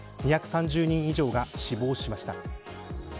２３０人以上が死亡しました。